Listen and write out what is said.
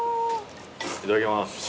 いただきます。